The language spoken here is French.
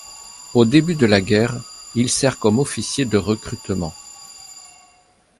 Au début de la guerre, il sert comme officier de recrutement.